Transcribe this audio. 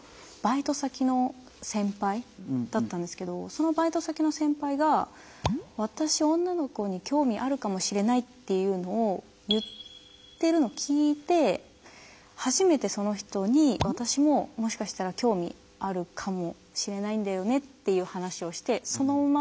そのバイト先の先輩が私女の子に興味あるかもしれないっていうのを言ってるのを聞いて初めてその人に私ももしかしたら興味あるかもしれないんだよねっていう話をしてそのまま